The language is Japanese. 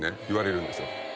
いわれるんですよ。